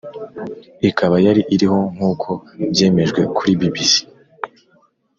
ikaba yari iriho nk' uko byemejwe kuri bbc